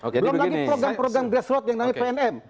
belum lagi program program grassroot yang namanya pnm